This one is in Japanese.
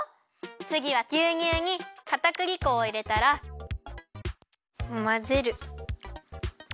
つぎはぎゅうにゅうにかたくり粉をいれたらまぜる。